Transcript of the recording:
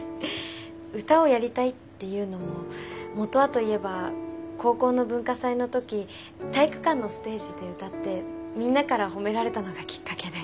歌をやりたいっていうのも元はと言えば高校の文化祭の時体育館のステージで歌ってみんなから褒められたのがきっかけで。